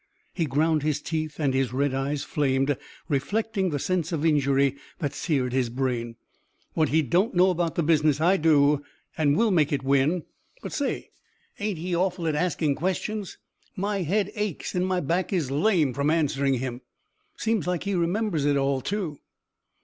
He ground his teeth, and his red eyes flamed, reflecting the sense of injury that seared his brain. "What he don't know about the business, I do, and we'll make it win. But, say, ain't he awful at asking questions? My head aches and my back is lame from answering him. Seems like he remembers it all, too."